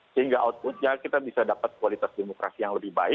sehingga outputnya kita bisa dapat kualitas demokrasi yang lebih baik